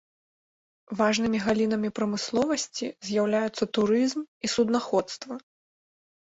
Важнымі галінамі прамысловасці з'яўляюцца турызм і суднаходства.